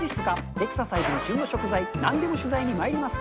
エクササイズから旬の食材、なんでも取材にまいります。